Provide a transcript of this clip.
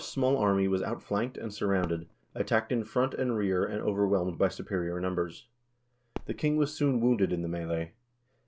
NORWAY UNDER DANISH OVERLORDSHIP 265 small army was outflanked and surrounded, attacked in front and rear, and overwhelmed by superior numbers. The king was soon wounded in the melee.